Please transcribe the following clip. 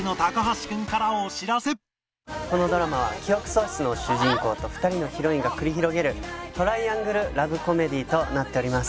このドラマは記憶喪失の主人公と２人のヒロインが繰り広げるトライアングル・ラブコメディーとなっております。